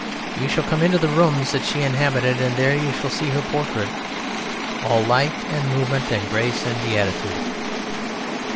You shall come into the rooms that she inhabited, and there you shall see her portrait, all light and movement and grace and beatitude.